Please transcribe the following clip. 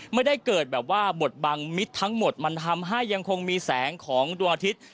ไม่ได้เกิดแบบว่าบทบังมิตรทั้งหมดมันทำให้ยังคงมีแสงของดวงอาทิตย์